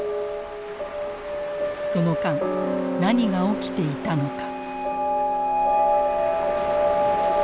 その間何が起きていたのか。